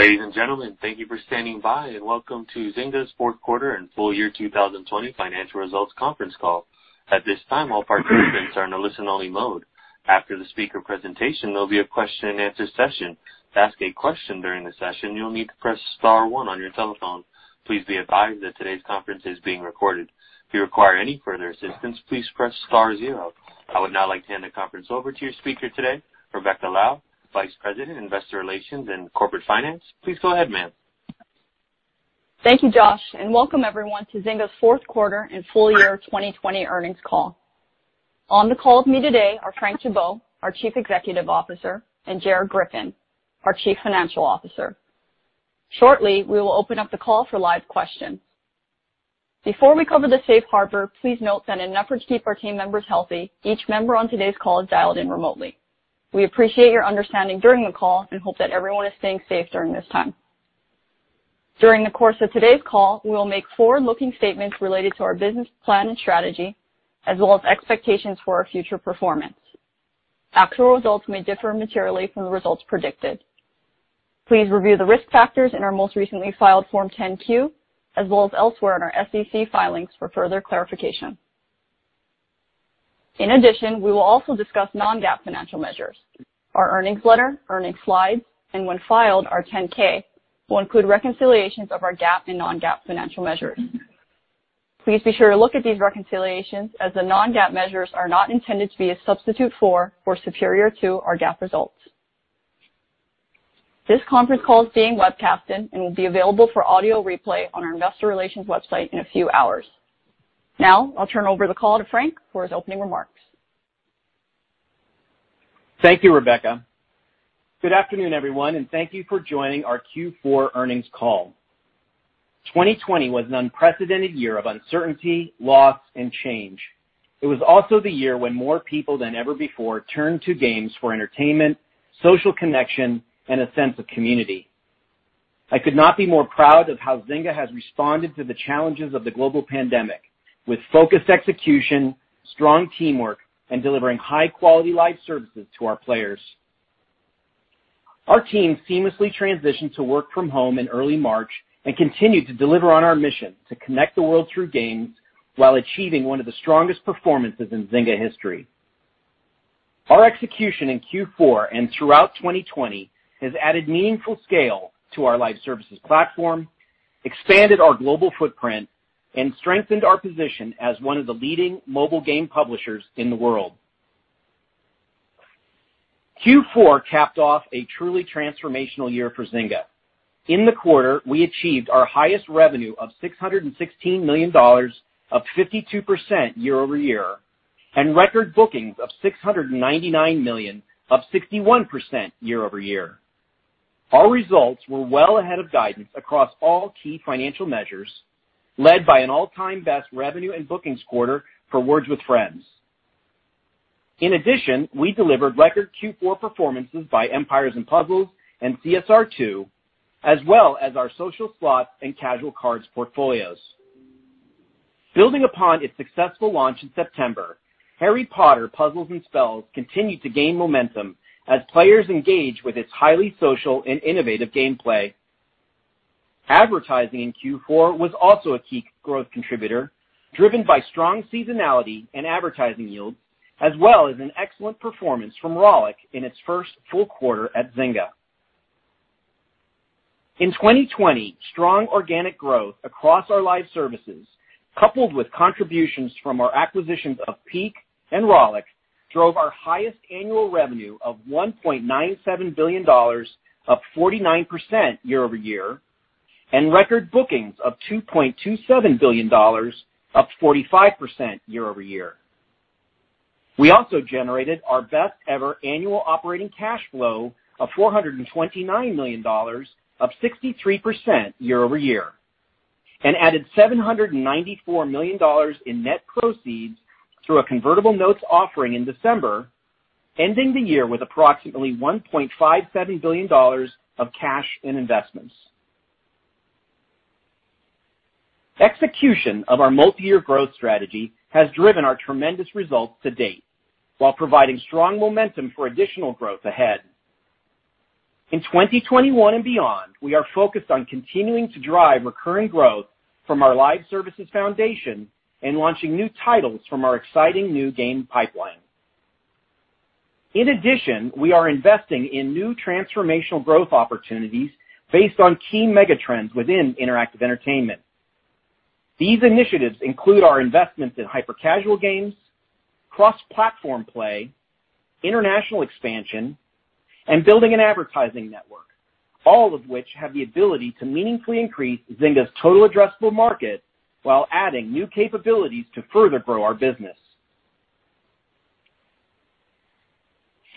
Ladies and gentlemen, thank you for standing by, and welcome to Zynga's fourth quarter and full year 2020 financial results conference call. I would now like to hand the conference over to your speaker today, Rebecca Lau, Vice President, Investor Relations and Corporate Finance. Please go ahead, ma'am. In addition, we will also discuss non-GAAP financial measures. Our earnings letter, earnings slides, and when filed, our 10-K, will include reconciliations of our GAAP and non-GAAP financial measures. Please be sure to look at these reconciliations as the non-GAAP measures are not intended to be a substitute for or superior to our GAAP results. This conference call is being webcast and will be available for audio replay on our investor relations website in a few hours. Now, I'll turn over the call to Frank for his opening remarks. Thank you, Rebecca. Good afternoon, everyone, and thank you for joining our Q4 earnings call. 2020 was an unprecedented year of uncertainty, loss, and change. It was also the year when more people than ever before turned to games for entertainment, social connection, and a sense of community. I could not be more proud of how Zynga has responded to the challenges of the global pandemic with focused execution, strong teamwork, and delivering high-quality live services to our players. Our team seamlessly transitioned to work from home in early March and continued to deliver on our mission to connect the world through games while achieving one of the strongest performances in Zynga history. Our execution in Q4 and throughout 2020 has added meaningful scale to our live services platform, expanded our global footprint, and strengthened our position as one of the leading mobile game publishers in the world. Q4 capped off a truly transformational year for Zynga. In the quarter, we achieved our highest revenue of $616 million, up 52% year-over-year, and record bookings of $699 million, up 61% year-over-year. Our results were well ahead of guidance across all key financial measures, led by an all-time best revenue and bookings quarter for Words With Friends. In addition, we delivered record Q4 performances by Empires & Puzzles and CSR2, as well as our social slots and casual cards portfolios. Building upon its successful launch in September, Harry Potter: Puzzles & Spells continued to gain momentum as players engage with its highly social and innovative gameplay. Advertising in Q4 was also a key growth contributor, driven by strong seasonality and advertising yields, as well as an excellent performance from Rollic in its first full quarter at Zynga. In 2020, strong organic growth across our live services, coupled with contributions from our acquisitions of Peak and Rollic, drove our highest annual revenue of $1.97 billion, up 49% year-over-year, and record bookings of $2.27 billion, up 45% year-over-year. We also generated our best ever annual operating cash flow of $429 million, up 63% year-over-year, and added $794 million in net proceeds through a convertible notes offering in December, ending the year with approximately $1.57 billion of cash in investments. Execution of our multi-year growth strategy has driven our tremendous results to date while providing strong momentum for additional growth ahead. In 2021 and beyond, we are focused on continuing to drive recurring growth from our live services foundation and launching new titles from our exciting new game pipeline. In addition, we are investing in new transformational growth opportunities based on key mega trends within interactive entertainment. These initiatives include our investments in hyper-casual games, cross-platform play, international expansion, and building an advertising network, all of which have the ability to meaningfully increase Zynga's total addressable market while adding new capabilities to further grow our business.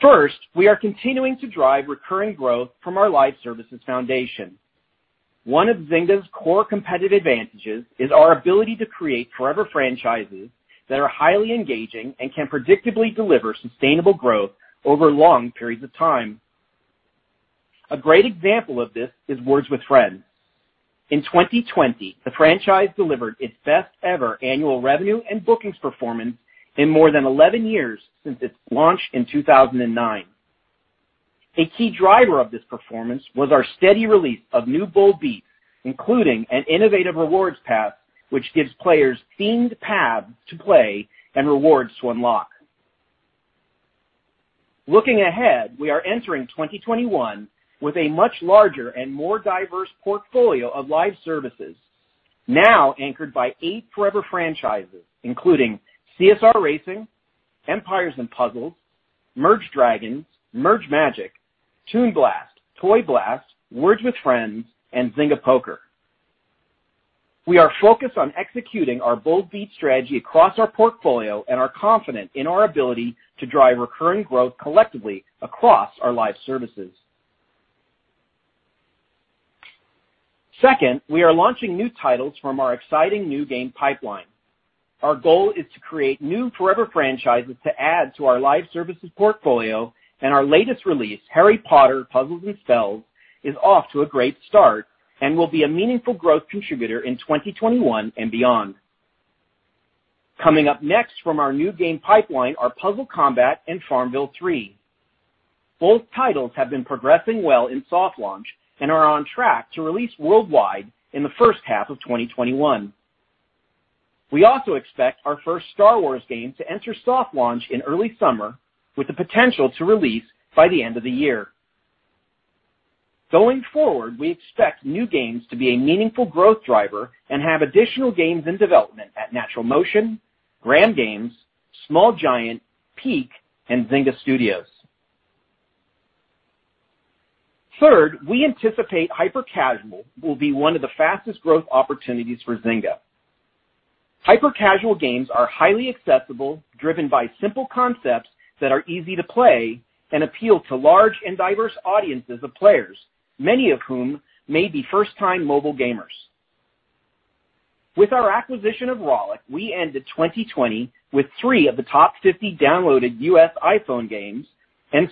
First, we are continuing to drive recurring growth from our live services foundation. One of Zynga's core competitive advantages is our ability to create forever franchises that are highly engaging and can predictably deliver sustainable growth over long periods of time. A great example of this is Words With Friends. In 2020, the franchise delivered its best ever annual revenue and bookings performance in more than 11 years since its launch in 2009. A key driver of this performance was our steady release of new Bold Beats, including an innovative rewards path, which gives players themed paths to play and rewards to unlock. Looking ahead, we are entering 2021 with a much larger and more diverse portfolio of live services now anchored by eight forever franchises, including CSR Racing, Empires & Puzzles, Merge Dragons!, Merge Magic!, Toon Blast, Toy Blast, Words With Friends, and Zynga Poker. We are focused on executing our Bold Beats strategy across our portfolio and are confident in our ability to drive recurring growth collectively across our live services. Second, we are launching new titles from our exciting new game pipeline. Our goal is to create new forever franchises to add to our live services portfolio and our latest release, Harry Potter: Puzzles & Spells, is off to a great start and will be a meaningful growth contributor in 2021 and beyond. Coming up next from our new game pipeline are Puzzle Combat and FarmVille 3. Both titles have been progressing well in soft launch and are on track to release worldwide in the first half of 2021. We also expect our first Star Wars game to enter soft launch in early summer with the potential to release by the end of the year. Going forward, we expect new games to be a meaningful growth driver and have additional games in development at NaturalMotion, Gram Games, Small Giant, Peak, and Zynga Studios. Third, we anticipate hyper-casual will be one of the fastest growth opportunities for Zynga. Hyper-casual games are highly accessible, driven by simple concepts that are easy to play and appeal to large and diverse audiences of players, many of whom may be first-time mobile gamers. With our acquisition of Rollic, we ended 2020 with three of the top 50 downloaded U.S. iPhone games.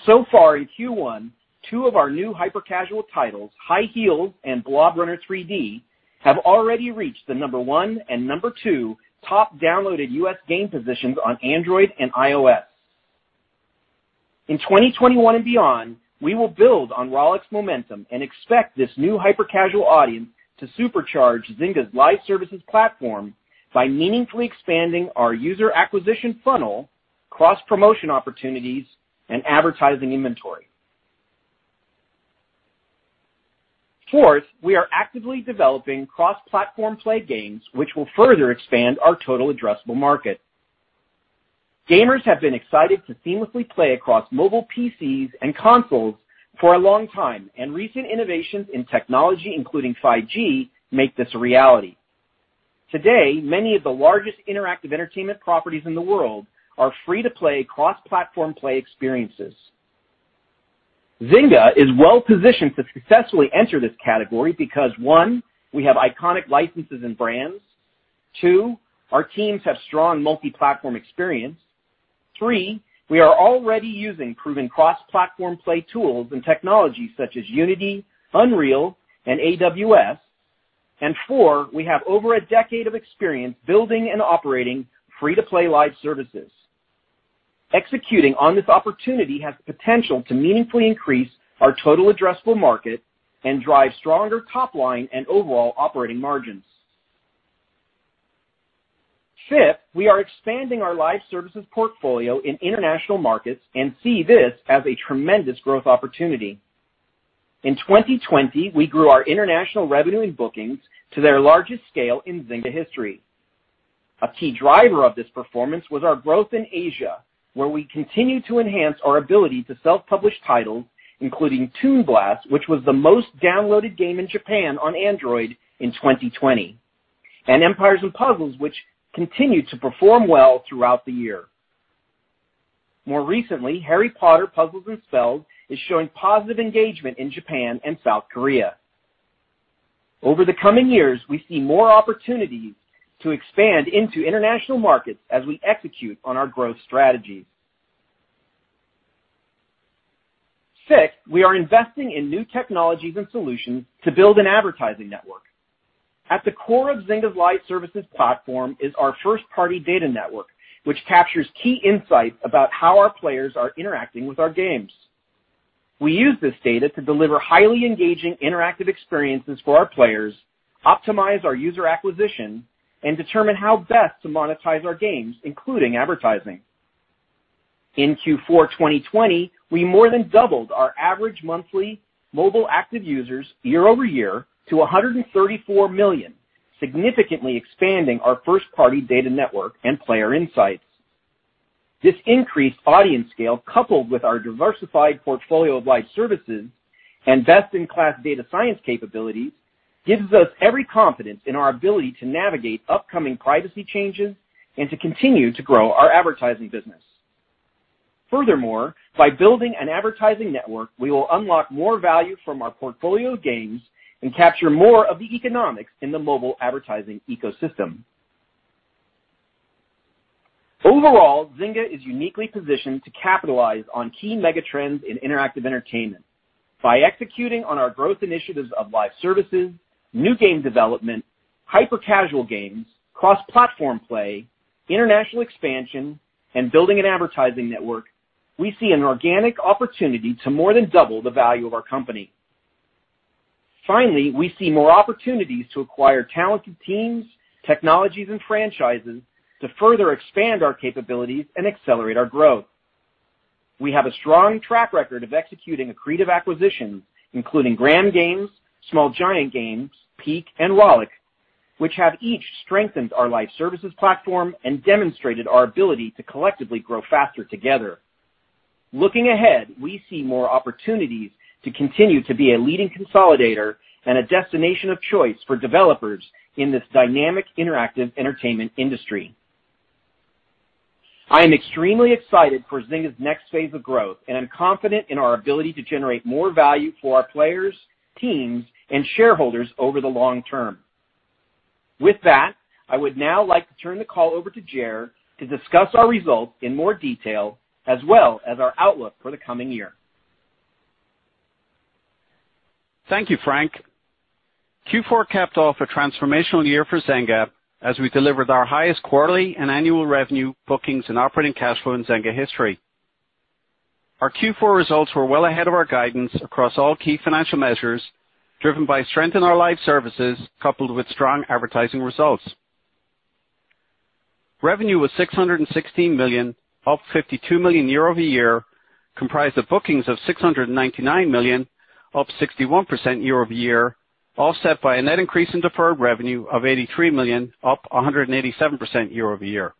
So far in Q1, two of our new hyper-casual titles, High Heels! and Blob Runner 3D have already reached the number one and number two top downloaded U.S. game positions on Android and iOS. In 2021 and beyond, we will build on Rollic's momentum and expect this new hyper-casual audience to supercharge Zynga's live services platform by meaningfully expanding our user acquisition funnel, cross-promotion opportunities, and advertising inventory. Fourth, we are actively developing cross-platform play games which will further expand our total addressable market. Gamers have been excited to seamlessly play across mobile PCs and consoles for a long time, and recent innovations in technology, including 5G, make this a reality. Today, many of the largest interactive entertainment properties in the world are free to play cross-platform play experiences. Zynga is well positioned to successfully enter this category because, one, we have iconic licenses and brands. Two, our teams have strong multi-platform experience. Three, we are already using proven cross-platform play tools and technologies such as Unity, Unreal, and AWS. Four, we have over a decade of experience building and operating free-to-play live services. Executing on this opportunity has the potential to meaningfully increase our total addressable market and drive stronger top line and overall operating margins. Fifth, we are expanding our live services portfolio in international markets and see this as a tremendous growth opportunity. In 2020, we grew our international revenue and bookings to their largest scale in Zynga history. A key driver of this performance was our growth in Asia, where we continue to enhance our ability to self-publish titles, including Toon Blast, which was the most downloaded game in Japan on Android in 2020, and Empires & Puzzles, which continued to perform well throughout the year. More recently, Harry Potter: Puzzles & Spells is showing positive engagement in Japan and South Korea. Over the coming years, we see more opportunities to expand into international markets as we execute on our growth strategies. Sixth, we are investing in new technologies and solutions to build an advertising network. At the core of Zynga's live services platform is our first-party data network, which captures key insights about how our players are interacting with our games. We use this data to deliver highly engaging interactive experiences for our players, optimize our user acquisition, and determine how best to monetize our games, including advertising. In Q4 2020, we more than doubled our average monthly mobile active users year-over-year to 134 million, significantly expanding our first-party data network and player insights. This increased audience scale, coupled with our diversified portfolio of live services and best-in-class data science capabilities, gives us every confidence in our ability to navigate upcoming privacy changes and to continue to grow our advertising business. Furthermore, by building an advertising network, we will unlock more value from our portfolio of games and capture more of the economics in the mobile advertising ecosystem. Overall, Zynga is uniquely positioned to capitalize on key mega trends in interactive entertainment. By executing on our growth initiatives of live services, new game development, hyper-casual games, cross-platform play, international expansion, and building an advertising network, we see an organic opportunity to more than double the value of our company. We see more opportunities to acquire talented teams, technologies, and franchises to further expand our capabilities and accelerate our growth. We have a strong track record of executing accretive acquisitions, including Gram Games, Small Giant Games, Peak, and Rollic, which have each strengthened our live services platform and demonstrated our ability to collectively grow faster together. Looking ahead, we see more opportunities to continue to be a leading consolidator and a destination of choice for developers in this dynamic, interactive entertainment industry. I am extremely excited for Zynga's next phase of growth, and I'm confident in our ability to generate more value for our players, teams, and shareholders over the long term. With that, I would now like to turn the call over to Ger to discuss our results in more detail, as well as our outlook for the coming year. Thank you, Frank. Q4 capped off a transformational year for Zynga as we delivered our highest quarterly and annual revenue, bookings, and operating cash flow in Zynga history. Our Q4 results were well ahead of our guidance across all key financial measures, driven by strength in our live services, coupled with strong advertising results. Revenue was $616 million, up $52 million year-over-year, comprised of bookings of $699 million, up 61% year-over-year, offset by a net increase in deferred revenue of $83 million, up 187% year-over-year.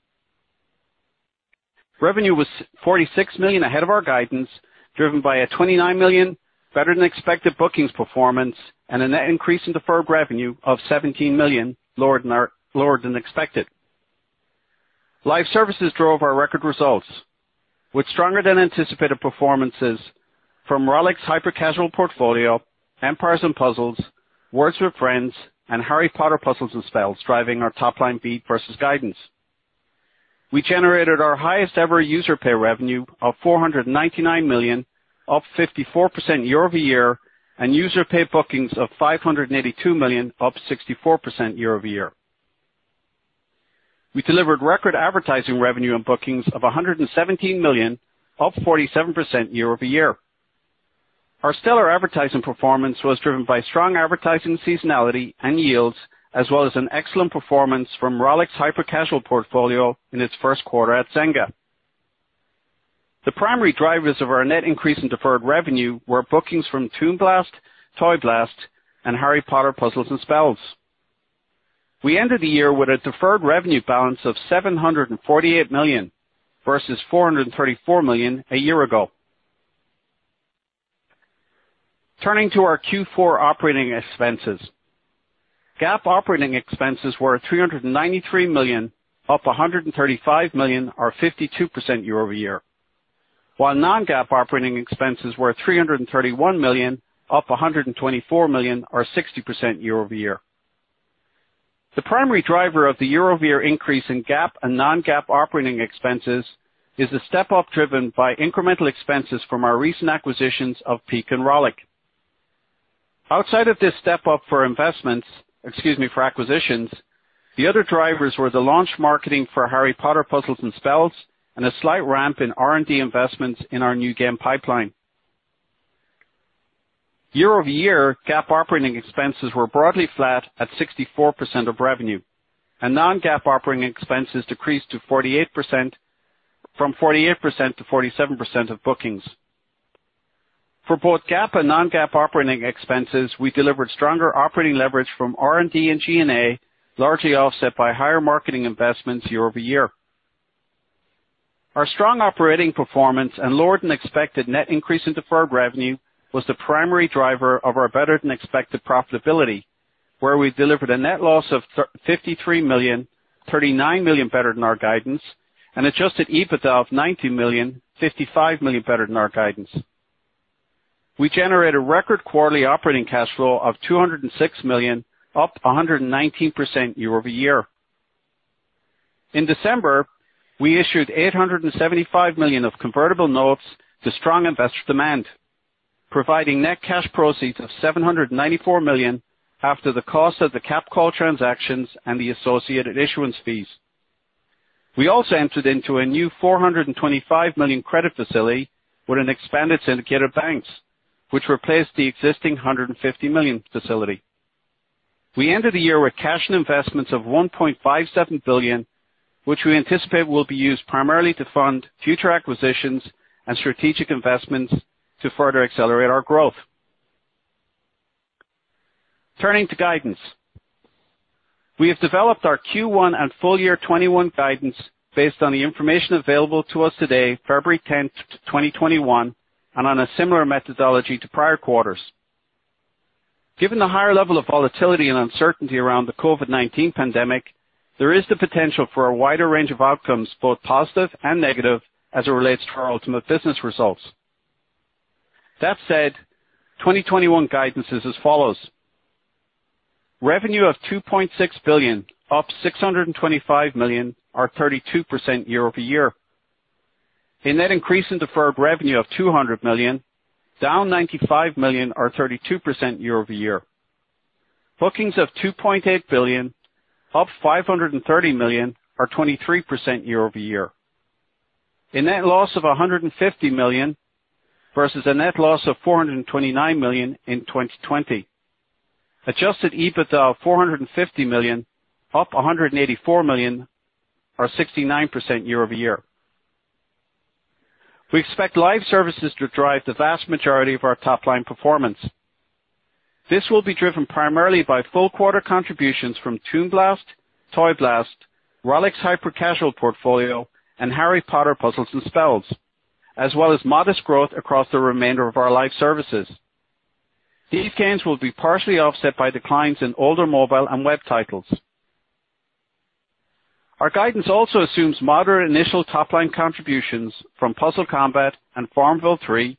Revenue was $46 million ahead of our guidance, driven by a $29 million better-than-expected bookings performance and a net increase in deferred revenue of $17 million, lower than expected. Live services drove our record results with stronger than anticipated performances from Rollic's hyper-casual portfolio, Empires & Puzzles, Words with Friends, and Harry Potter: Puzzles & Spells driving our top-line beat versus guidance. We generated our highest-ever user pay revenue of $499 million, up 54% year-over-year, and user pay bookings of $582 million, up 64% year-over-year. We delivered record advertising revenue and bookings of $117 million, up 47% year-over-year. Our stellar advertising performance was driven by strong advertising seasonality and yields, as well as an excellent performance from Rollic's hyper-casual portfolio in its first quarter at Zynga. The primary drivers of our net increase in deferred revenue were bookings from Toon Blast, Toy Blast, and Harry Potter: Puzzles & Spells. We ended the year with a deferred revenue balance of $748 million versus $434 million a year ago. Turning to our Q4 operating expenses. GAAP operating expenses were $393 million, up $135 million or 52% year-over-year, while non-GAAP operating expenses were $331 million, up $124 million or 60% year-over-year. The primary driver of the year-over-year increase in GAAP and non-GAAP operating expenses is the step-up driven by incremental expenses from our recent acquisitions of Peak and Rollic. Outside of this step-up for investments, excuse me, for acquisitions, the other drivers were the launch marketing for Harry Potter: Puzzles & Spells and a slight ramp in R&D investments in our new game pipeline. Year-over-year, GAAP operating expenses were broadly flat at 64% of revenue, and non-GAAP operating expenses decreased from 48%-47% of bookings. For both GAAP and non-GAAP operating expenses, we delivered stronger operating leverage from R&D and G&A, largely offset by higher marketing investments year-over-year. Our strong operating performance and lower-than-expected net increase in deferred revenue was the primary driver of our better-than-expected profitability, where we delivered a net loss of $53 million, $39 million better than our guidance, and adjusted EBITDA of $90 million, $55 million better than our guidance. We generated record quarterly operating cash flow of $206 million, up 119% year-over-year. In December, we issued $875 million of convertible notes to strong investor demand, providing net cash proceeds of $794 million after the cost of the capped call transactions and the associated issuance fees. We also entered into a new $425 million credit facility with an expanded syndicate of banks, which replaced the existing $150 million facility. We ended the year with cash and investments of $1.57 billion, which we anticipate will be used primarily to fund future acquisitions and strategic investments to further accelerate our growth. Turning to guidance. We have developed our Q1 and full-year 2021 guidance based on the information available to us today, February 10th, 2021, and on a similar methodology to prior quarters. Given the higher level of volatility and uncertainty around the COVID-19 pandemic, there is the potential for a wider range of outcomes, both positive and negative, as it relates to our ultimate business results. That said, 2021 guidance is as follows. Revenue of $2.6 billion, up $625 million, or 32% year-over-year. A net increase in deferred revenue of $200 million, down $95 million or 32% year-over-year. Bookings of $2.8 billion, up $530 million or 23% year-over-year. A net loss of $150 million versus a net loss of $429 million in 2020. Adjusted EBITDA of $450 million, up $184 million or 69% year-over-year. We expect live services to drive the vast majority of our top-line performance. This will be driven primarily by full quarter contributions from Toon Blast, Toy Blast, Rollic's hyper-casual portfolio, and Harry Potter: Puzzles & Spells, as well as modest growth across the remainder of our live services. These gains will be partially offset by declines in older mobile and web titles. Our guidance also assumes moderate initial top-line contributions from Puzzle Combat and FarmVille 3,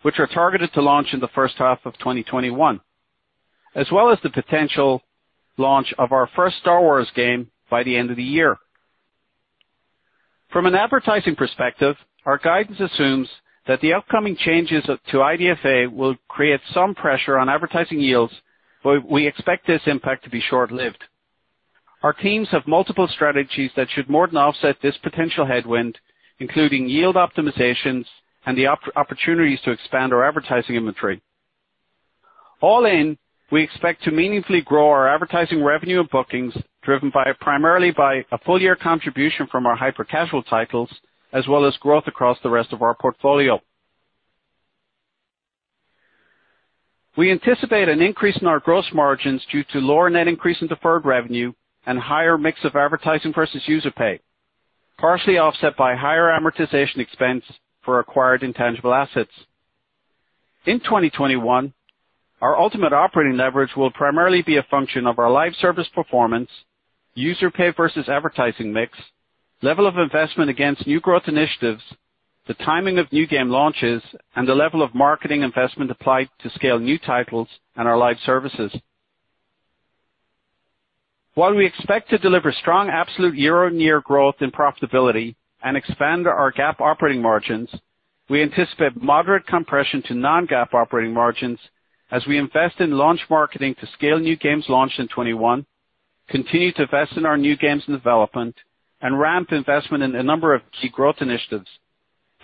which are targeted to launch in the first half of 2021, as well as the potential launch of our first Star Wars game by the end of the year. From an advertising perspective, our guidance assumes that the upcoming changes to IDFA will create some pressure on advertising yields, but we expect this impact to be short-lived. Our teams have multiple strategies that should more than offset this potential headwind, including yield optimizations and the opportunities to expand our advertising inventory. All in, we expect to meaningfully grow our advertising revenue and bookings, driven primarily by a full-year contribution from our hyper-casual titles, as well as growth across the rest of our portfolio. We anticipate an increase in our gross margins due to lower net increase in deferred revenue and higher mix of advertising versus user pay, partially offset by higher amortization expense for acquired intangible assets. In 2021, our ultimate operating leverage will primarily be a function of our live service performance, user pay versus advertising mix, level of investment against new growth initiatives, the timing of new game launches, and the level of marketing investment applied to scale new titles and our live services. While we expect to deliver strong absolute year-on-year growth and profitability and expand our GAAP operating margins, we anticipate moderate compression to non-GAAP operating margins as we invest in launch marketing to scale new games launched in 2021, continue to invest in our new games and development, and ramp investment in a number of key growth initiatives,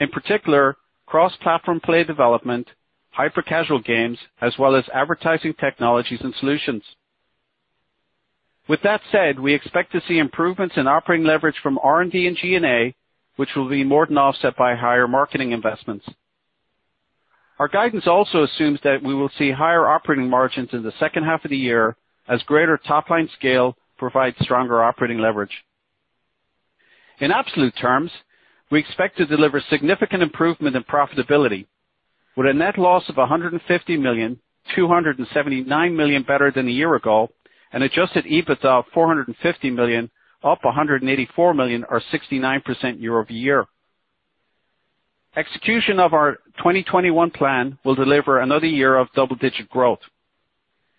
in particular, cross-platform play development, hyper casual games, as well as advertising technologies and solutions. With that said, we expect to see improvements in operating leverage from R&D and G&A, which will be more than offset by higher marketing investments. Our guidance also assumes that we will see higher operating margins in the second half of the year as greater top-line scale provides stronger operating leverage. In absolute terms, we expect to deliver significant improvement in profitability with a net loss of $150 million, $279 million better than a year ago, and adjusted EBITDA of $450 million, up $184 million or 69% year-over-year. Execution of our 2021 plan will deliver another year of double-digit growth.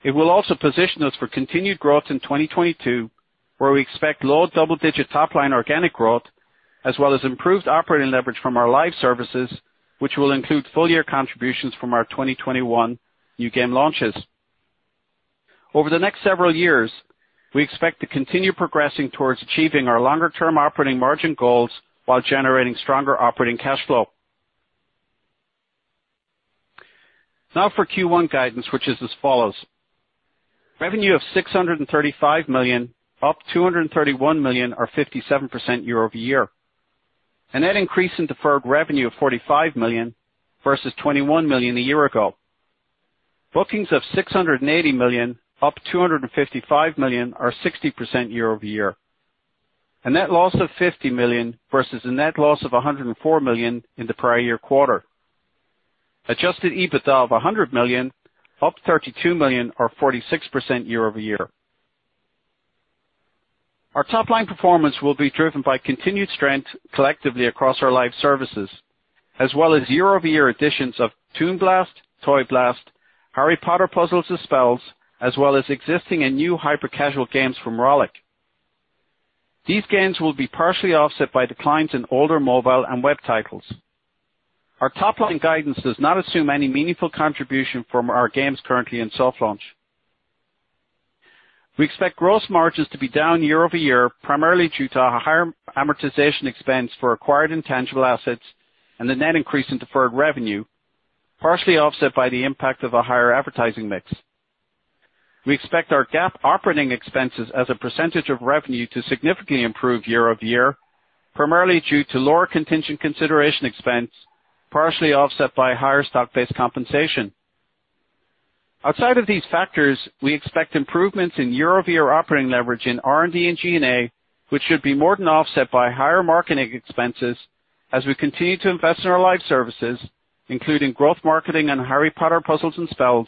It will also position us for continued growth in 2022, where we expect low double-digit top-line organic growth, as well as improved operating leverage from our live services, which will include full-year contributions from our 2021 new game launches. Over the next several years, we expect to continue progressing towards achieving our longer-term operating margin goals while generating stronger operating cash flow. Now for Q1 guidance, which is as follows. Revenue of $635 million, up $231 million or 57% year-over-year. A net increase in deferred revenue of $45 million versus $21 million a year ago. Bookings of $680 million, up $255 million or 60% year-over-year. A net loss of $50 million versus a net loss of $104 million in the prior year quarter. Adjusted EBITDA of $100 million, up $32 million or 46% year-over-year. Our top-line performance will be driven by continued strength collectively across our live services, as well as year-over-year additions of Toon Blast, Toy Blast, Harry Potter: Puzzles & Spells, as well as existing and new hyper casual games from Rollic. These gains will be partially offset by declines in older mobile and web titles. Our top-line guidance does not assume any meaningful contribution from our games currently in soft launch. We expect gross margins to be down year-over-year, primarily due to a higher amortization expense for acquired intangible assets and the net increase in deferred revenue, partially offset by the impact of a higher advertising mix. We expect our GAAP operating expenses as a percentage of revenue to significantly improve year-over-year, primarily due to lower contingent consideration expense, partially offset by higher stock-based compensation. Outside of these factors, we expect improvements in year-over-year operating leverage in R&D and G&A, which should be more than offset by higher marketing expenses as we continue to invest in our live services, including growth marketing and Harry Potter: Puzzles & Spells,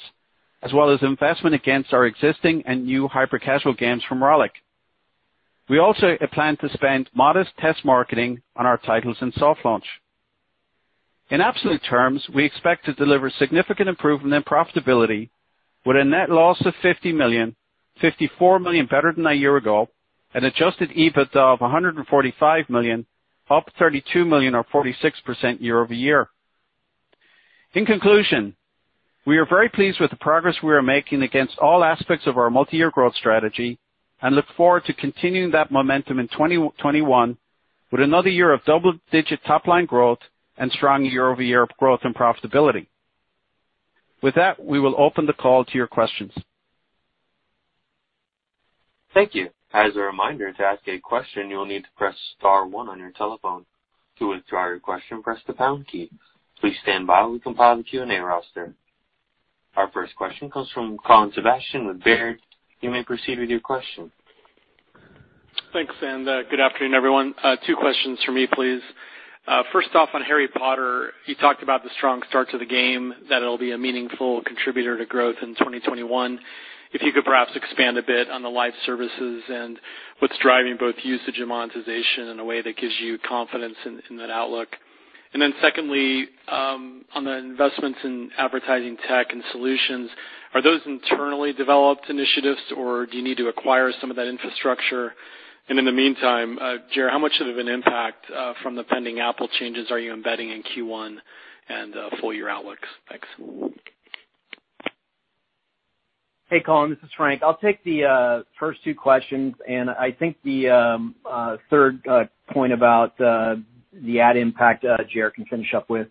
as well as investment against our existing and new hyper casual games from Rollic. We also plan to spend modest test marketing on our titles in soft launch. In absolute terms, we expect to deliver significant improvement in profitability with a net loss of $50 million, $54 million better than a year ago, an adjusted EBITDA of $145 million, up $32 million or 46% year-over-year. In conclusion, we are very pleased with the progress we are making against all aspects of our multi-year growth strategy and look forward to continuing that momentum in 2021 with another year of double-digit top-line growth and strong year-over-year growth and profitability. With that, we will open the call to your questions. Thank you. As a reminder, to ask a question, you will need to press star one on your telephone. To withdraw your question, press the pound key. Please stand by while we compile the Q&A roster. Our first question comes from Colin Sebastian with Baird. You may proceed with your question. Thanks, and good afternoon, everyone. Two questions from me, please. First off, on Harry Potter, you talked about the strong start to the game, that it'll be a meaningful contributor to growth in 2021. If you could perhaps expand a bit on the live services and what's driving both usage and monetization in a way that gives you confidence in that outlook. Then secondly, on the investments in advertising tech and solutions, are those internally developed initiatives, or do you need to acquire some of that infrastructure? In the meantime, Ger, how much of an impact from the pending Apple changes are you embedding in Q1 and full-year outlooks? Thanks. Hey, Colin, this is Frank. I'll take the first two questions, and I think the third point about the ad impact, Ger can finish up with.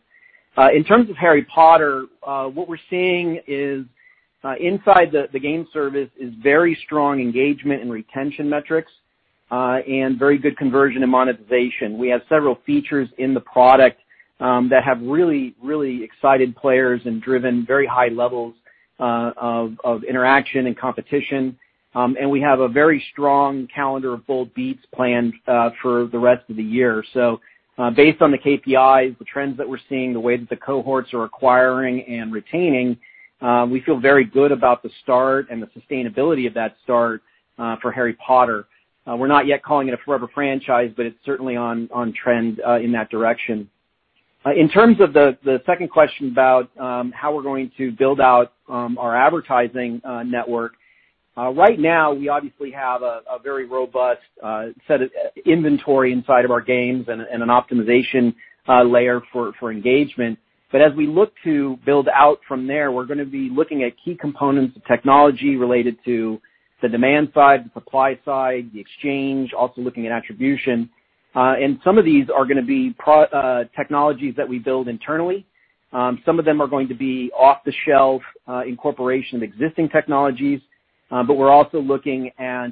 In terms of Harry Potter, what we're seeing is inside the game service is very strong engagement and retention metrics, and very good conversion and monetization. We have several features in the product that have really excited players and driven very high levels of interaction and competition. We have a very strong calendar of Bold Beats planned for the rest of the year. Based on the KPIs, the trends that we're seeing, the way that the cohorts are acquiring and retaining, we feel very good about the start and the sustainability of that start for Harry Potter. We're not yet calling it a forever franchise, but it's certainly on trend in that direction. In terms of the second question about how we're going to build out our advertising network. Right now, we obviously have a very robust set of inventory inside of our games and an optimization layer for engagement. As we look to build out from there, we're going to be looking at key components of technology related to the demand side, the supply side, the exchange, also looking at attribution. Some of these are going to be technologies that we build internally. Some of them are going to be off-the-shelf incorporation of existing technologies. We're also looking at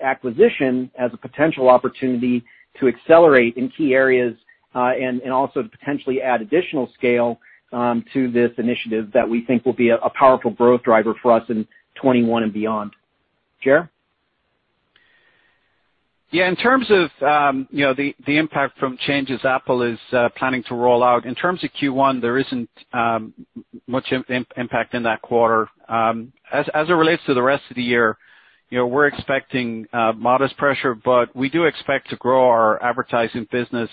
acquisition as a potential opportunity to accelerate in key areas, and also to potentially add additional scale to this initiative that we think will be a powerful growth driver for us in 2021 and beyond. Ger? In terms of the impact from changes Apple is planning to roll out, in terms of Q1, there isn't much impact in that quarter. As it relates to the rest of the year, we're expecting modest pressure, but we do expect to grow our advertising business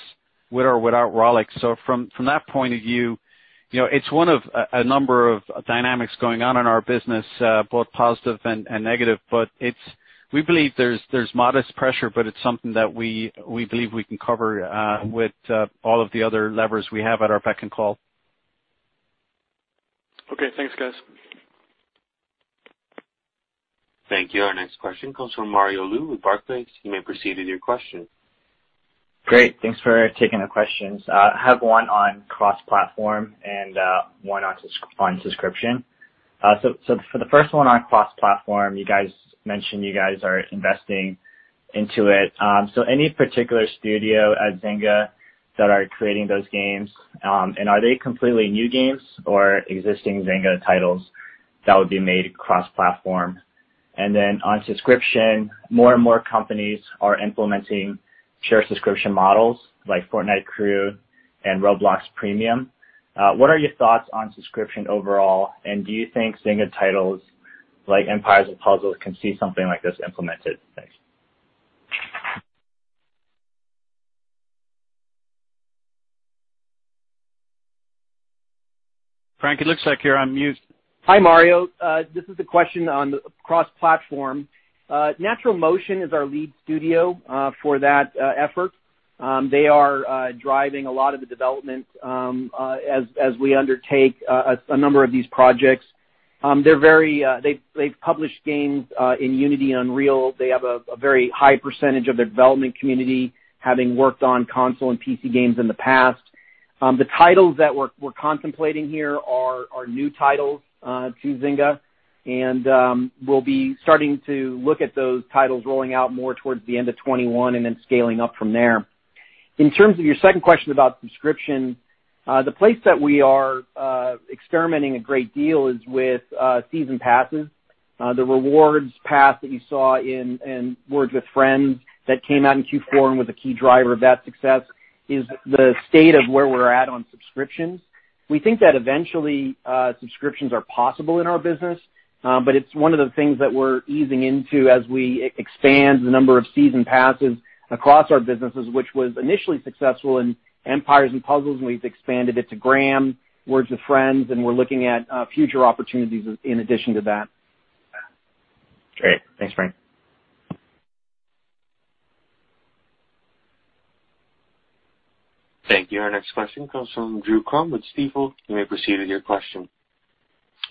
with or without Rollic. From that point of view, it's one of a number of dynamics going on in our business, both positive and negative. We believe there's modest pressure, but it's something that we believe we can cover with all of the other levers we have at our beck and call. Okay. Thanks, guys. Thank you. Our next question comes from Mario Lu with Barclays. You may proceed with your question. Great. Thanks for taking the questions. I have one on cross-platform and one on subscription. For the first one on cross-platform, you guys mentioned you guys are investing into it. Any particular studio at Zynga that are creating those games? Are they completely new games or existing Zynga titles that would be made cross-platform? On subscription, more and more companies are implementing shared subscription models like Fortnite Crew and Roblox Premium. What are your thoughts on subscription overall, and do you think Zynga titles like Empires & Puzzles can see something like this implemented? Thanks. Frank, it looks like you're on mute. Hi, Mario. This is the question on cross-platform. NaturalMotion is our lead studio for that effort. They are driving a lot of the development as we undertake a number of these projects. They've published games in Unity, Unreal. They have a very high percentage of their development community having worked on console and PC games in the past. The titles that we're contemplating here are new titles to Zynga. We'll be starting to look at those titles rolling out more towards the end of 2021 and then scaling up from there. In terms of your second question about subscription, the place that we are experimenting a great deal is with season passes. The rewards path that you saw in Words With Friends that came out in Q4 and was a key driver of that success is the state of where we're at on subscriptions. We think that eventually subscriptions are possible in our business, but it's one of the things that we're easing into as we expand the number of season passes across our businesses, which was initially successful in Empires & Puzzles, and we've expanded it to Gram Games, Words With Friends, and we're looking at future opportunities in addition to that. Great. Thanks, Frank. Thank you. Our next question comes from Drew Crum with Stifel. You may proceed with your question.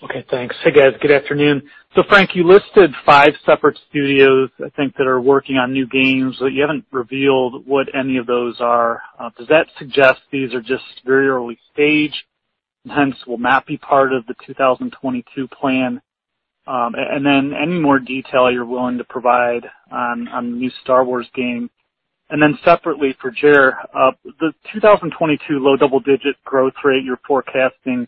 Okay, thanks. Hey, guys. Good afternoon. Frank, you listed five separate studios, I think, that are working on new games, but you haven't revealed what any of those are. Does that suggest these are just very early stage, and hence will not be part of the 2022 plan? Any more detail you're willing to provide on the new Star Wars game? Separately for Ger, the 2022 low double-digit growth rate you're forecasting,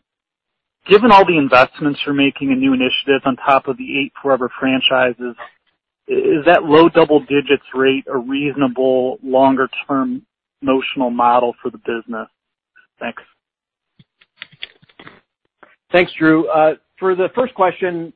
given all the investments you're making and new initiatives on top of the eight forever franchises, is that low double digits rate a reasonable longer-term notional model for the business? Thanks. Thanks, Drew. For the first question,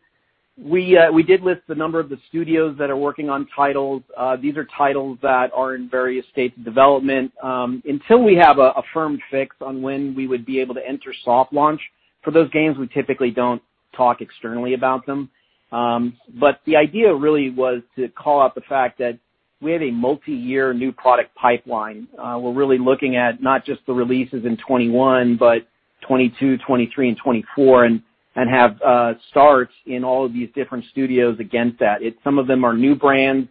we did list the number of the studios that are working on titles. These are titles that are in various states of development. Until we have a firm fix on when we would be able to enter soft launch for those games, we typically don't talk externally about them. The idea really was to call out the fact that we have a multi-year new product pipeline. We're really looking at not just the releases in 2021, but 2022, 2023, and 2024, and have starts in all of these different studios against that. Some of them are new brands,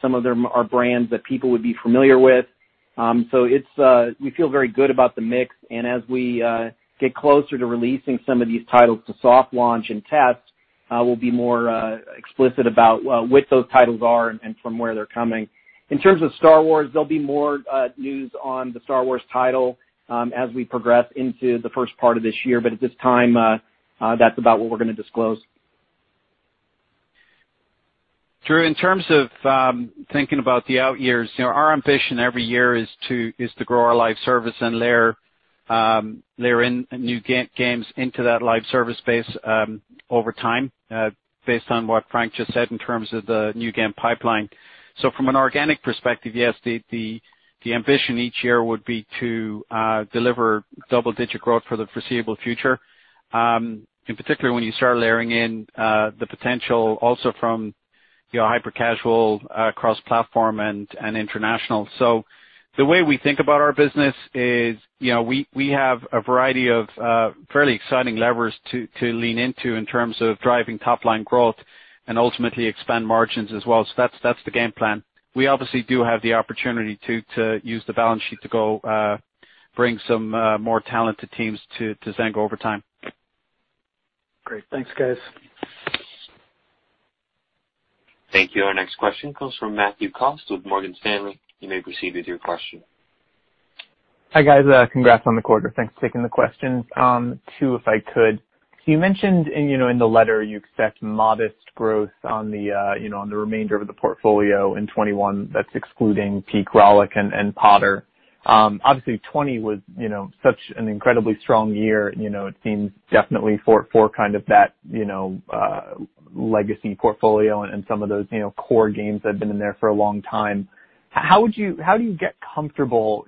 some of them are brands that people would be familiar with. We feel very good about the mix, and as we get closer to releasing some of these titles to soft launch and test, we'll be more explicit about what those titles are and from where they're coming. In terms of Star Wars, there'll be more news on the Star Wars title as we progress into the first part of this year. At this time, that's about what we're going to disclose. Drew, in terms of thinking about the out years, our ambition every year is to grow our live service and layer in new games into that live service space over time, based on what Frank just said in terms of the new game pipeline. From an organic perspective, yes, the ambition each year would be to deliver double-digit growth for the foreseeable future, in particular when you start layering in the potential also from hyper-casual, cross-platform, and international. The way we think about our business is we have a variety of fairly exciting levers to lean into in terms of driving top-line growth and ultimately expand margins as well. That's the game plan. We obviously do have the opportunity to use the balance sheet to go bring some more talented teams to Zynga over time. Great. Thanks, guys. Thank you. Our next question comes from Matthew Cost with Morgan Stanley. You may proceed with your question. Hi, guys. Congrats on the quarter. Thanks for taking the questions. Two, if I could. You mentioned in the letter you expect modest growth on the remainder of the portfolio in 2021. That's excluding Peak, Rollic, and Potter. Obviously, 2020 was such an incredibly strong year, it seems definitely for that legacy portfolio and some of those core games that have been in there for a long time. How do you get comfortable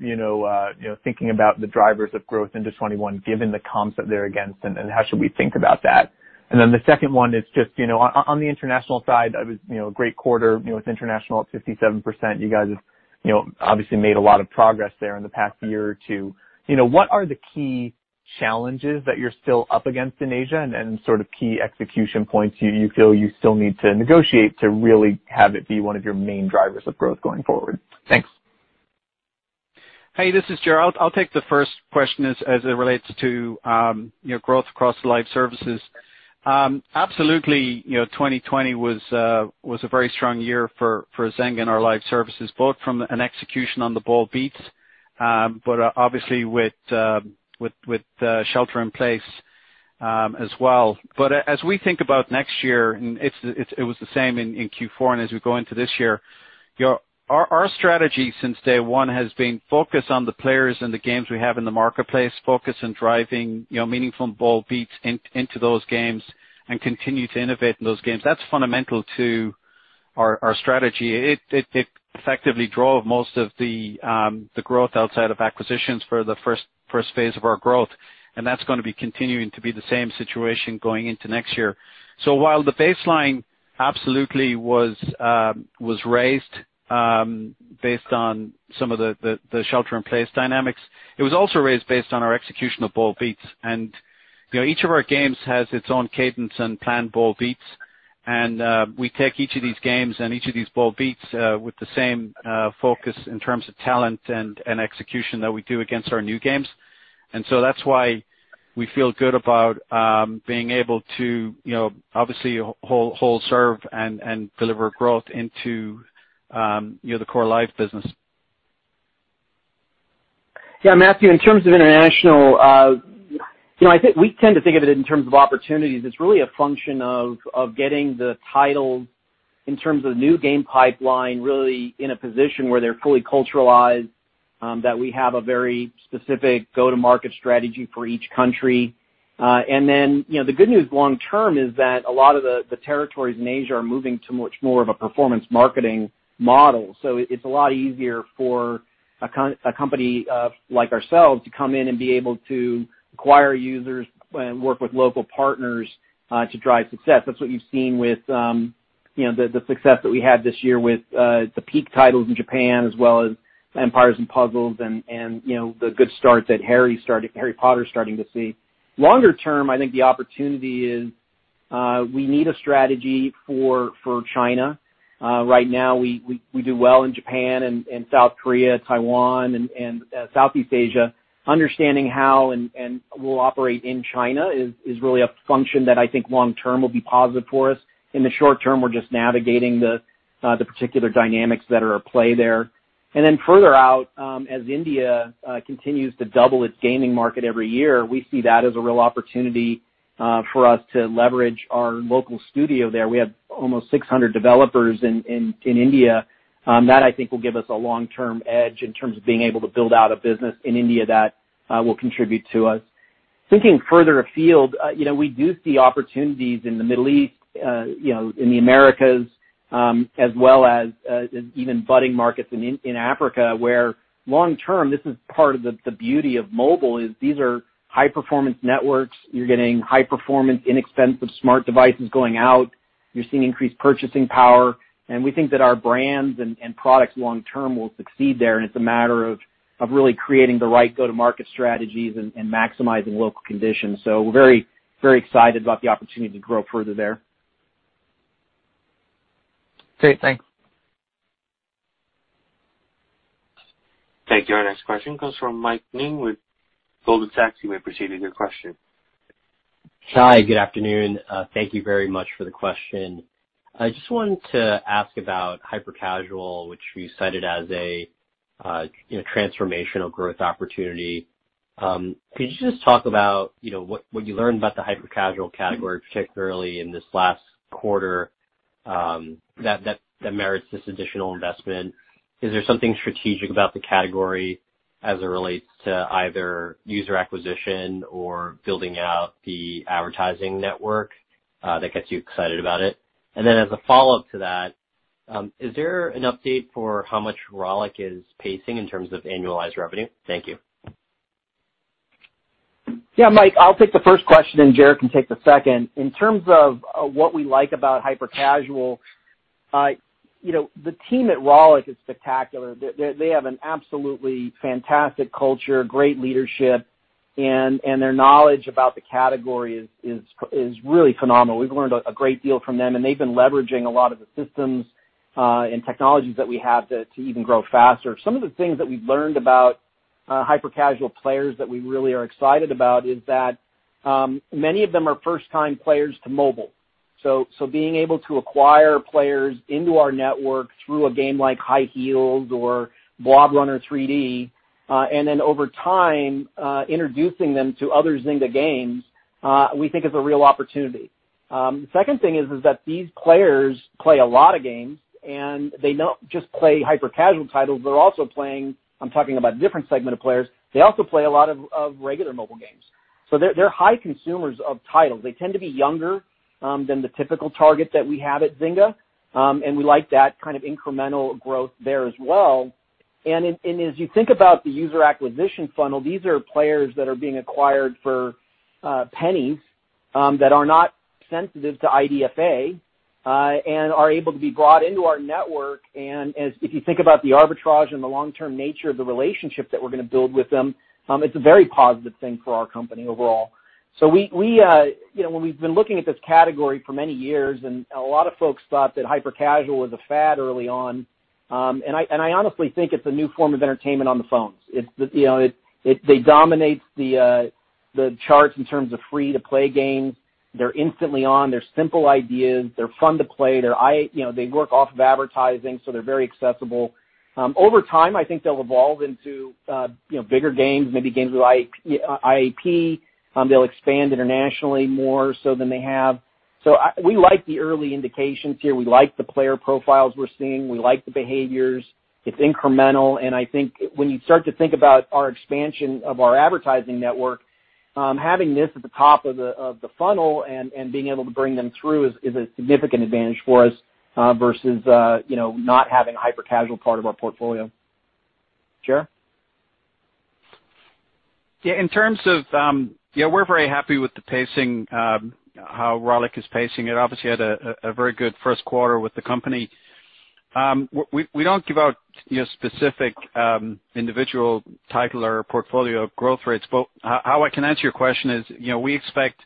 thinking about the drivers of growth into 2021, given the comps that they're against, and how should we think about that? The second one is just on the international side, it was a great quarter with international at 57%. You guys have obviously made a lot of progress there in the past year or two. What are the key challenges that you're still up against in Asia and key execution points you feel you still need to negotiate to really have it be one of your main drivers of growth going forward? Thanks. Hey, this is Ger. I'll take the first question as it relates to growth across live services. Absolutely, 2020 was a very strong year for Zynga and our live services, both from an execution on the Bold Beats, but obviously with shelter in place as well. As we think about next year, and it was the same in Q4 and as we go into this year, our strategy since day one has been focus on the players and the games we have in the marketplace, focus on driving meaningful Bold Beats into those games and continue to innovate in those games. That's fundamental to our strategy. It effectively drove most of the growth outside of acquisitions for the first phase of our growth, and that's going to be continuing to be the same situation going into next year. While the baseline absolutely was raised based on some of the shelter-in-place dynamics, it was also raised based on our execution of Bold Beats. Each of our games has its own cadence and planned Bold Beats, and we take each of these games and each of these Bold Beats with the same focus in terms of talent and execution that we do against our new games. That's why we feel good about being able to obviously hold serve and deliver growth into the core live business. Yeah, Matthew, in terms of international, we tend to think of it in terms of opportunities. It's really a function of getting the titles in terms of new game pipeline, really in a position where they're fully culturalized, that we have a very specific go-to-market strategy for each country. The good news long term is that a lot of the territories in Asia are moving to much more of a performance marketing model. It's a lot easier for a company like ourselves to come in and be able to acquire users and work with local partners to drive success. That's what you've seen with the success that we had this year with the Peak titles in Japan as well as Empires & Puzzles and the good start that Harry Potter's starting to see. Longer term, I think the opportunity is we need a strategy for China. Right now, we do well in Japan and South Korea, Taiwan, and Southeast Asia. Understanding how and we'll operate in China is really a function that I think long term will be positive for us. In the short term, we're just navigating the particular dynamics that are at play there. Further out, as India continues to double its gaming market every year, we see that as a real opportunity for us to leverage our local studio there. We have almost 600 developers in India. That I think will give us a long-term edge in terms of being able to build out a business in India that will contribute to us. Thinking further afield, we do see opportunities in the Middle East, in the Americas, as well as even budding markets in Africa, where long term, this is part of the beauty of mobile is these are high-performance networks. You're getting high performance, inexpensive smart devices going out. You're seeing increased purchasing power. We think that our brands and products long term will succeed there, and it's a matter of really creating the right go-to-market strategies and maximizing local conditions. We're very excited about the opportunity to grow further there. Great. Thanks. Thank you. Our next question comes from Mike Ng with Goldman Sachs. You may proceed with your question. Hi. Good afternoon. Thank you very much for the question. I just wanted to ask about hyper-casual, which you cited as a transformational growth opportunity. Could you just talk about what you learned about the hyper-casual category, particularly in this last quarter that merits this additional investment? Is there something strategic about the category as it relates to either user acquisition or building out the advertising network that gets you excited about it? As a follow-up to that, is there an update for how much Rollic is pacing in terms of annualized revenue? Thank you. Yeah, Mike, I'll take the first question, and Ger can take the second. In terms of what we like about hyper-casual, the team at Rollic is spectacular. They have an absolutely fantastic culture, great leadership, and their knowledge about the category is really phenomenal. We've learned a great deal from them, and they've been leveraging a lot of the systems and technologies that we have to even grow faster. Some of the things that we've learned about hyper-casual players that we really are excited about is that many of them are first-time players to mobile. Being able to acquire players into our network through a game like High Heels! or Blob Runner 3D, and then over time introducing them to other Zynga games we think is a real opportunity. The second thing is that these players play a lot of games. They don't just play hyper-casual titles, they're also playing, I'm talking about different segment of players. They also play a lot of regular mobile games. They're high consumers of titles. They tend to be younger than the typical target that we have at Zynga. We like that kind of incremental growth there as well. As you think about the user acquisition funnel, these are players that are being acquired for pennies that are not sensitive to IDFA and are able to be brought into our network. If you think about the arbitrage and the long-term nature of the relationship that we're going to build with them, it's a very positive thing for our company overall. We've been looking at this category for many years, and a lot of folks thought that hyper-casual was a fad early on. I honestly think it's a new form of entertainment on the phones. They dominate the charts in terms of free-to-play games. They're instantly on. They're simple ideas. They're fun to play. They work off of advertising, so they're very accessible. Over time, I think they'll evolve into bigger games, maybe games with IAP. They'll expand internationally more so than they have. We like the early indications here. We like the player profiles we're seeing. We like the behaviors. It's incremental, and I think when you start to think about our expansion of our advertising network, having this at the top of the funnel and being able to bring them through is a significant advantage for us versus not having a hyper-casual part of our portfolio. Ger? Yeah. We're very happy with the pacing, how Rollic is pacing. It obviously had a very good first quarter with the company. How I can answer your question is, we expect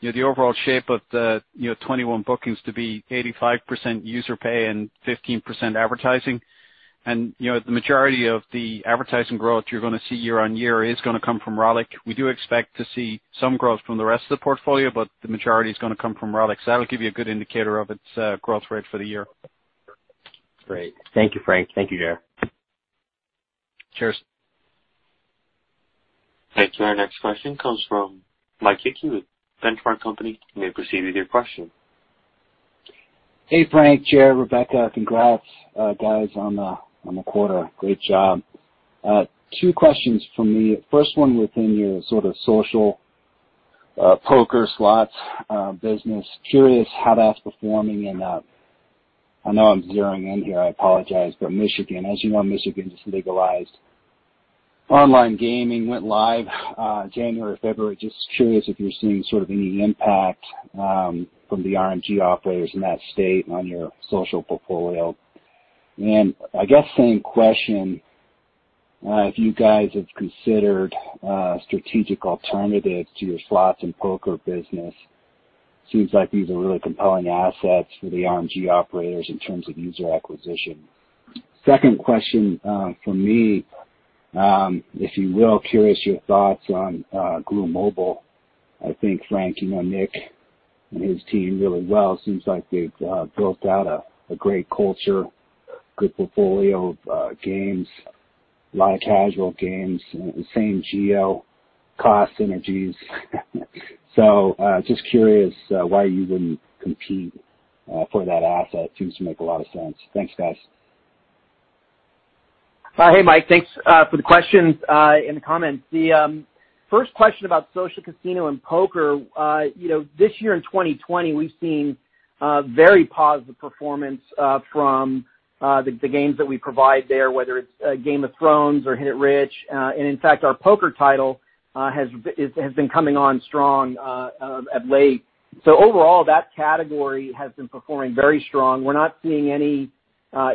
the overall shape of the 2021 bookings to be 85% user pay and 15% advertising. The majority of the advertising growth you're going to see year-over-year is going to come from Rollic. We do expect to see some growth from the rest of the portfolio, the majority is going to come from Rollic. That'll give you a good indicator of its growth rate for the year. Great. Thank you, Frank. Thank you, Ger. Cheers. Thank you. Our next question comes from Mike Hickey with Benchmark Company. You may proceed with your question. Hey, Frank, Ger, Rebecca. Congrats, guys, on the quarter. Great job. Two questions from me. First one within your sort of social poker slots business. Curious how that's performing in, I know I'm zeroing in here, I apologize, but Michigan. As you know, Michigan just legalized online gaming, went live January, February. Just curious if you're seeing sort of any impact from the RMG operators in that state on your social portfolio. I guess same question, if you guys have considered strategic alternatives to your slots and poker business. Seems like these are really compelling assets for the RMG operators in terms of user acquisition. Second question from me, if you will, curious your thoughts on Glu Mobile. I think, Frank, you know Nick and his team really well. Seems like they've built out a great culture, good portfolio of games, a lot of casual games, same geo cost synergies. Just curious why you wouldn't compete for that asset. Seems to make a lot of sense. Thanks, guys. Hey, Mike. Thanks for the questions and the comments. The first question about social casino and poker. This year in 2020, we've seen very positive performance from the games that we provide there, whether it's Game of Thrones or Hit It Rich! In fact, our poker title has been coming on strong of late. Overall, that category has been performing very strong. We're not seeing any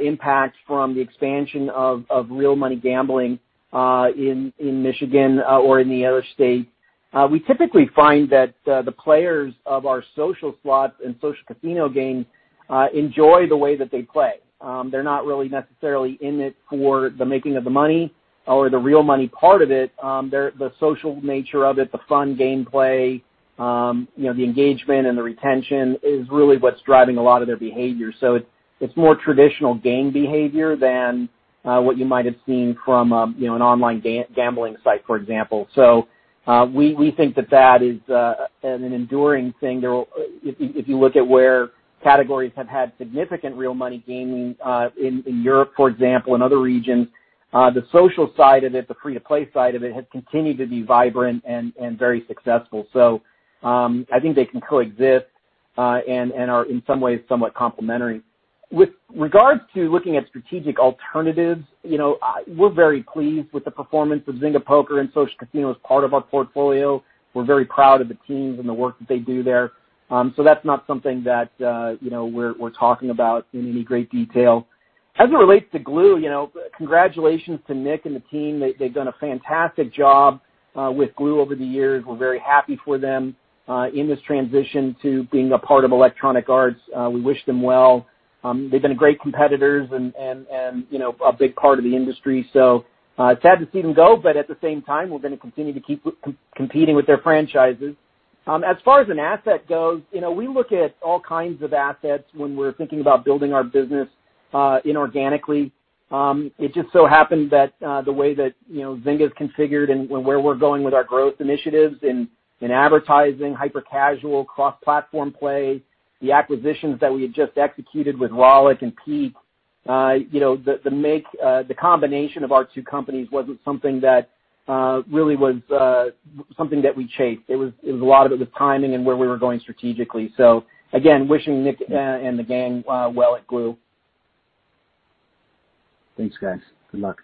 impact from the expansion of real money gambling in Michigan or in the other states. We typically find that the players of our social slots and social casino games enjoy the way that they play. They're not really necessarily in it for the making of the money or the real money part of it. The social nature of it, the fun gameplay, the engagement and the retention is really what's driving a lot of their behavior. It's more traditional game behavior than what you might have seen from an online gambling site, for example. We think that that is an enduring thing. If you look at where categories have had significant real money gaming in Europe, for example, and other regions, the social side of it, the free-to-play side of it, has continued to be vibrant and very successful. I think they can coexist, and are in some ways somewhat complementary. With regards to looking at strategic alternatives, we're very pleased with the performance of Zynga Poker and Social Casino as part of our portfolio. We're very proud of the teams and the work that they do there. That's not something that we're talking about in any great detail. As it relates to Glu, congratulations to Nick and the team. They've done a fantastic job with Glu over the years. We're very happy for them in this transition to being a part of Electronic Arts. We wish them well. They've been great competitors and a big part of the industry. It's sad to see them go, but at the same time, we're going to continue to keep competing with their franchises. As far as an asset goes, we look at all kinds of assets when we're thinking about building our business inorganically. It just so happened that the way that Zynga's configured and where we're going with our growth initiatives in advertising, hyper-casual, cross-platform play, the acquisitions that we had just executed with Rollic and Peak, the combination of our two companies wasn't something that really was something that we chased. A lot of it was timing and where we were going strategically. Again, wishing Nick and the gang well at Glu. Thanks, guys. Good luck.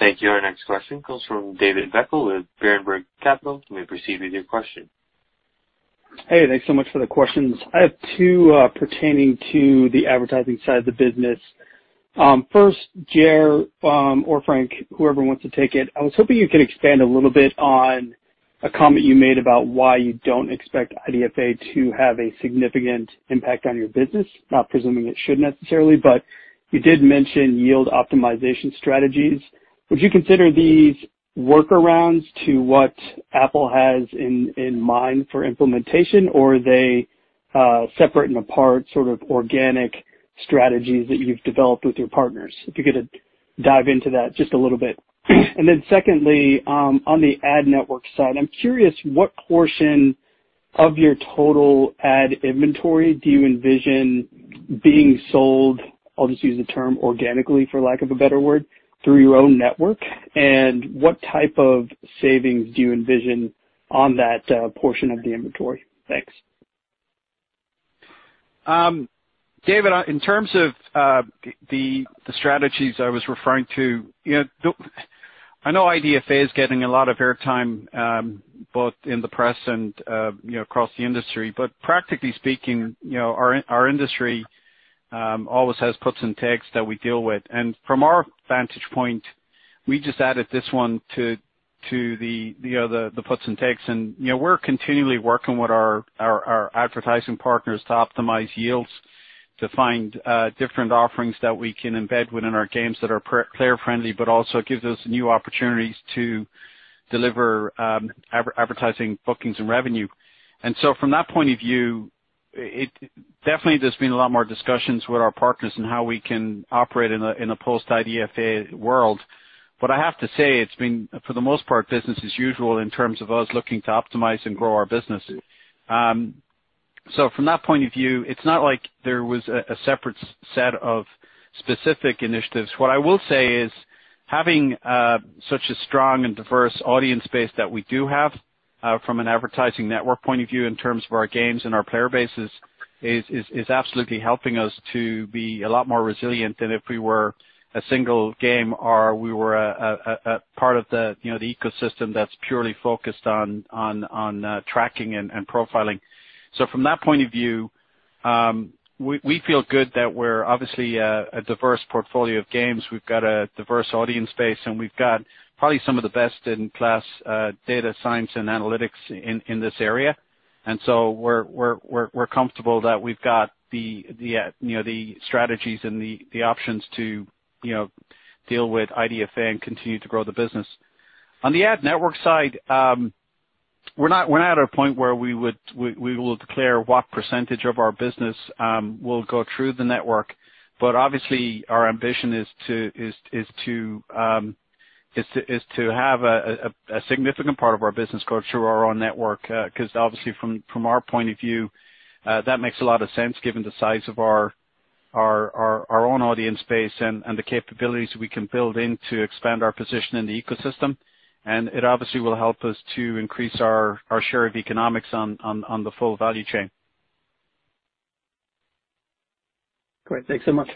Thank you. Our next question comes from David Beckel with Berenberg Capital. You may proceed with your question. Hey, thanks so much for the questions. I have two pertaining to the advertising side of the business. First, Ger or Frank, whoever wants to take it. I was hoping you could expand a little bit on a comment you made about why you don't expect IDFA to have a significant impact on your business. Not presuming it should necessarily, but you did mention yield optimization strategies. Would you consider these workarounds to what Apple has in mind for implementation, or are they separate and apart sort of organic strategies that you've developed with your partners? If you could dive into that just a little bit. Secondly, on the ad network side, I'm curious what portion of your total ad inventory do you envision being sold, I'll just use the term organically for lack of a better word, through your own network, and what type of savings do you envision on that portion of the inventory? Thanks. David, in terms of the strategies I was referring to, I know IDFA is getting a lot of airtime both in the press and across the industry. Practically speaking, our industry always has puts and takes that we deal with. From our vantage point, we just added this one to the puts and takes. We're continually working with our advertising partners to optimize yields to find different offerings that we can embed within our games that are player-friendly, but also gives us new opportunities to deliver advertising, bookings, and revenue. From that point of view, definitely there's been a lot more discussions with our partners on how we can operate in a post-IDFA world. I have to say, it's been, for the most part, business as usual in terms of us looking to optimize and grow our business. From that point of view, it's not like there was a separate set of specific initiatives. What I will say is having such a strong and diverse audience base that we do have from an advertising network point of view in terms of our games and our player bases, is absolutely helping us to be a lot more resilient than if we were a single game, or we were a part of the ecosystem that's purely focused on tracking and profiling. From that point of view, we feel good that we're obviously a diverse portfolio of games. We've got a diverse audience base, and we've got probably some of the best-in-class data science and analytics in this area. We're comfortable that we've got the strategies and the options to deal with IDFA and continue to grow the business. On the ad network side, we're not at a point where we will declare what percentage of our business will go through the network. Obviously, our ambition is to have a significant part of our business go through our own network, because obviously from our point of view, that makes a lot of sense given the size of our own audience base and the capabilities we can build in to expand our position in the ecosystem. It obviously will help us to increase our share of economics on the full value chain. Great. Thanks so much.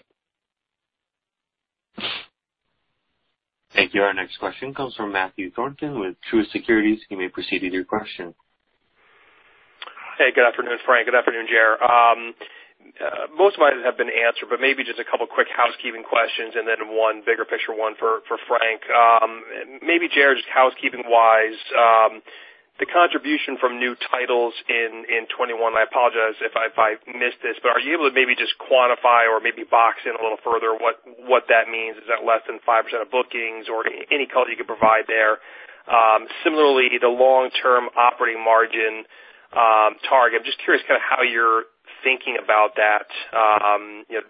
Thank you. Our next question comes from Matthew Thornton with Truist Securities. You may proceed with your question. Hey, good afternoon, Frank. Good afternoon, Ger. Most of mine have been answered, maybe just a couple quick housekeeping questions and then one bigger picture one for Frank. Maybe Ger, just housekeeping-wise, the contribution from new titles in 2021, I apologize if I missed this, but are you able to maybe just quantify or maybe box in a little further what that means? Is that less than 5% of bookings or any color you could provide there? Similarly, the long-term operating margin target, I'm just curious kind of how you're thinking about that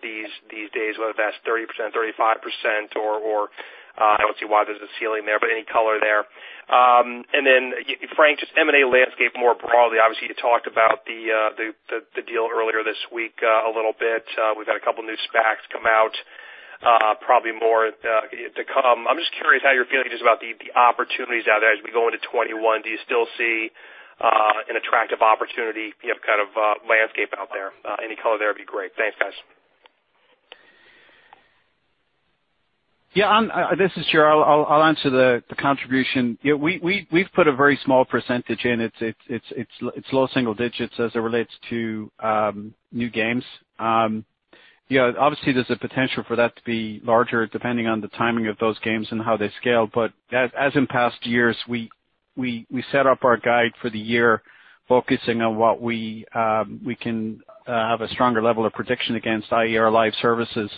these days, whether that's 30%, 35% or I don't see why there's a ceiling there, but any color there. Frank, just M&A landscape more broadly, obviously, you talked about the deal earlier this week a little bit. We've had a couple new SPACs come out, probably more to come. I'm just curious how you're feeling just about the opportunities out there as we go into 2021. Do you still see an attractive opportunity kind of landscape out there? Any color there would be great. Thanks, guys. Yeah, this is Ger. I'll answer the contribution. We've put a very small percentage in. It's low single digits as it relates to new games. Obviously, there's a potential for that to be larger depending on the timing of those games and how they scale. As in past years, we set up our guide for the year focusing on what we can have a stronger level of prediction against, i.e., our live services,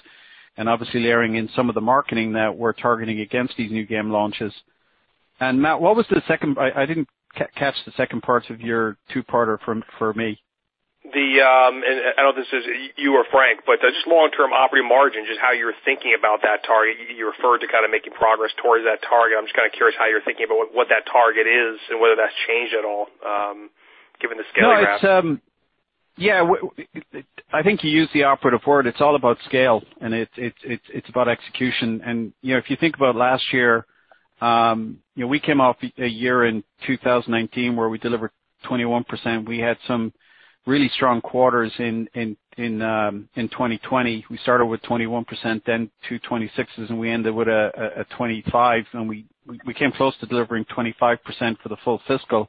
and obviously layering in some of the marketing that we're targeting against these new game launches. Matt, I didn't catch the second part of your two-parter for me. I don't know if this is you or Frank, but just long-term operating margin, just how you're thinking about that target. You referred to kind of making progress towards that target. I'm just kind of curious how you're thinking about what that target is and whether that's changed at all given the scale you have. No, I think you used the operative word. It's all about scale, and it's about execution. If you think about last year, we came off a year in 2019 where we delivered 21%. We had some really strong quarters in 2020. We started with 21%, then two 26s, and we ended with a 25. We came close to delivering 25% for the full fiscal,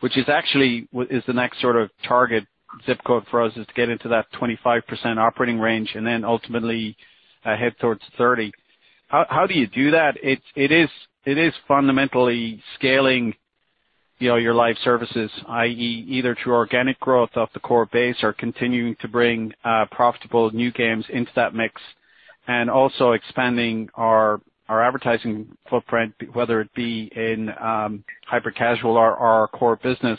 which is actually the next sort of target ZIP code for us is to get into that 25% operating range and then ultimately head towards 30. How do you do that? It is fundamentally scaling your live services, i.e., either through organic growth of the core base or continuing to bring profitable new games into that mix. Also expanding our advertising footprint, whether it be in hyper-casual or our core business,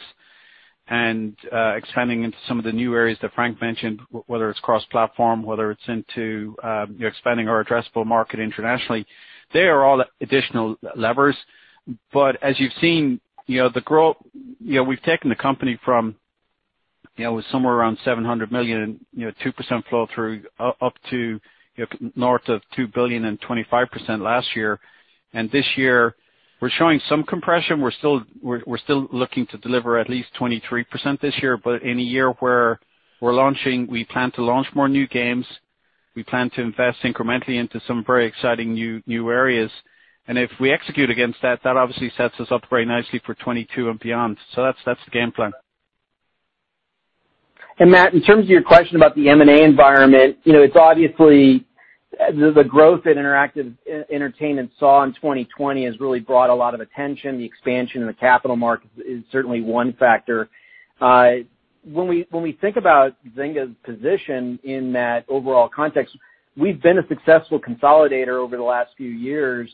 and expanding into some of the new areas that Frank mentioned, whether it's cross-platform, whether it's into expanding our addressable market internationally. They are all additional levers. As you've seen, the growth, we've taken the company from somewhere around $700 million, 2% flow through up to north of $2 billion and 25% last year. This year, we're showing some compression. We're still looking to deliver at least 23% this year, but in a year where we plan to launch more new games. We plan to invest incrementally into some very exciting new areas. If we execute against that obviously sets us up very nicely for 2022 and beyond. That's the game plan. Matt, in terms of your question about the M&A environment, it's obviously the growth that Interactive Entertainment saw in 2020 has really brought a lot of attention. The expansion in the capital markets is certainly one factor. When we think about Zynga's position in that overall context, we've been a successful consolidator over the last few years,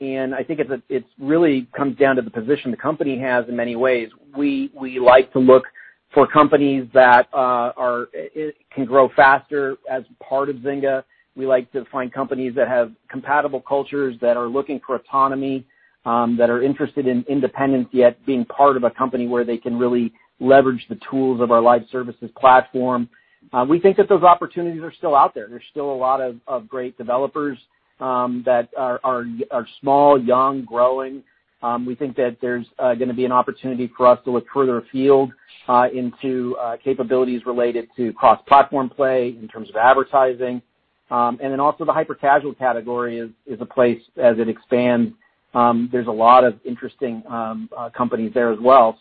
and I think it really comes down to the position the company has in many ways. We like to look for companies that can grow faster as part of Zynga. We like to find companies that have compatible cultures, that are looking for autonomy, that are interested in independence, yet being part of a company where they can really leverage the tools of our live services platform. We think that those opportunities are still out there. There's still a lot of great developers that are small, young, growing. We think that there's going to be an opportunity for us to look further afield into capabilities related to cross-platform play in terms of advertising. The hyper-casual category is a place as it expands. There's a lot of interesting companies there as well.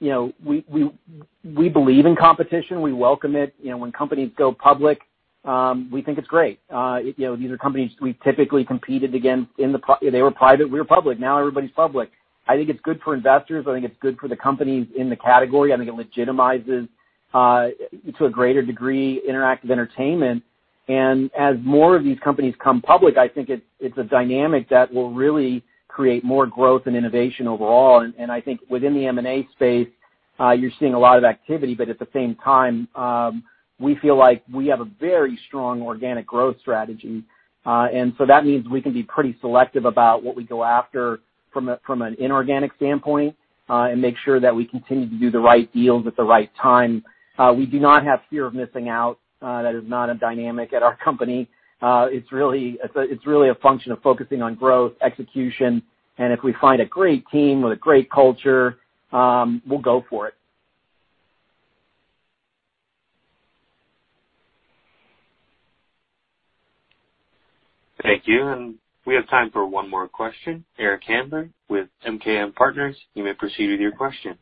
We believe in competition. We welcome it. When companies go public, we think it's great. These are companies we typically competed against. They were private, we were public. Now everybody's public. I think it's good for investors. I think it's good for the companies in the category. I think it legitimizes, to a greater degree, interactive entertainment. As more of these companies come public, I think it's a dynamic that will really create more growth and innovation overall, and I think within the M&A space, you're seeing a lot of activity. At the same time, we feel like we have a very strong organic growth strategy. That means we can be pretty selective about what we go after from an inorganic standpoint, and make sure that we continue to do the right deals at the right time. We do not have fear of missing out. That is not a dynamic at our company. It's really a function of focusing on growth, execution, and if we find a great team with a great culture, we'll go for it. Thank you. We have time for one more question. Eric Handler with MKM Partners, you may proceed with your question.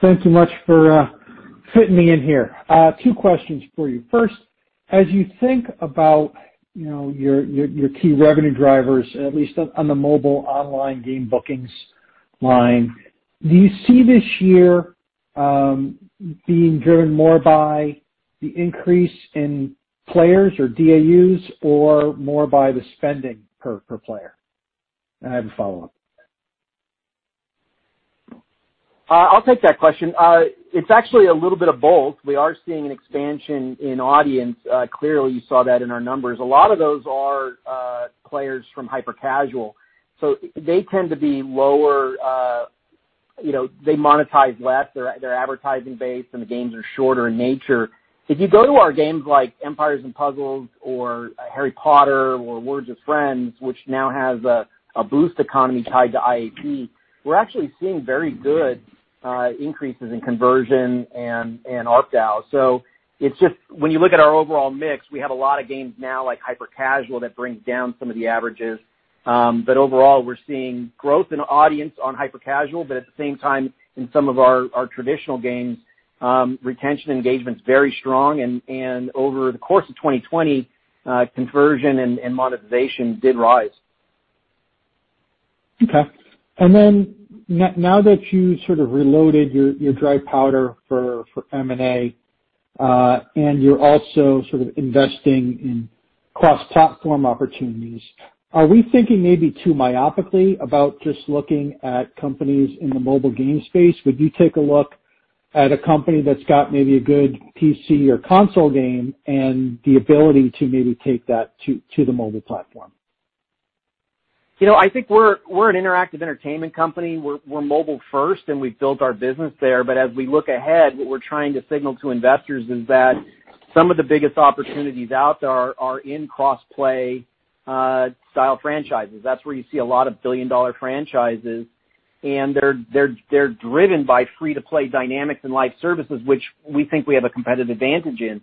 Thank you much for fitting me in here. Two questions for you. First, as you think about your key revenue drivers, at least on the mobile online game bookings line, do you see this year being driven more by the increase in players or DAUs or more by the spending per player? I have a follow-up. I'll take that question. It's actually a little bit of both. We are seeing an expansion in audience. Clearly, you saw that in our numbers. A lot of those are players from hyper-casual. They tend to be lower. They monetize less. They're advertising based, and the games are shorter in nature. If you go to our games like Empires & Puzzles or Harry Potter or Words With Friends, which now has a boost economy tied to IAP, we're actually seeing very good increases in conversion and ARPDAU. It's just when you look at our overall mix, we have a lot of games now like hyper-casual that brings down some of the averages. Overall, we're seeing growth in audience on hyper-casual. At the same time, in some of our traditional games, retention engagement's very strong, and over the course of 2020, conversion and monetization did rise. Okay. Now that you sort of reloaded your dry powder for M&A, and you're also sort of investing in cross-platform opportunities, are we thinking maybe too myopically about just looking at companies in the mobile game space? Would you take a look at a company that's got maybe a good PC or console game and the ability to maybe take that to the mobile platform? I think we're an interactive entertainment company. We're mobile first, and we've built our business there. As we look ahead, what we're trying to signal to investors is that some of the biggest opportunities out there are in cross-play style franchises. That's where you see a lot of billion-dollar franchises, and they're driven by free-to-play dynamics and live services, which we think we have a competitive advantage in.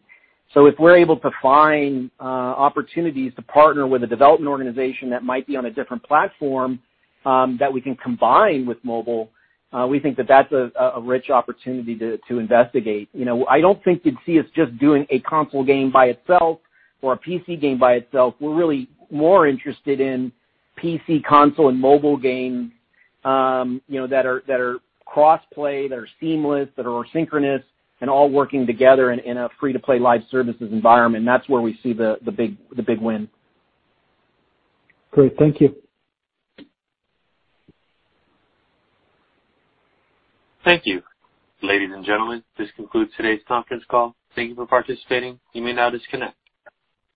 If we're able to find opportunities to partner with a development organization that might be on a different platform that we can combine with mobile, we think that that's a rich opportunity to investigate. I don't think you'd see us just doing a console game by itself or a PC game by itself. We're really more interested in PC, console, and mobile games that are cross-play, that are seamless, that are synchronous and all working together in a free-to-play live services environment. That's where we see the big win. Great. Thank you. Thank you. Ladies and gentlemen, this concludes today's conference call. Thank you for participating. You may now disconnect.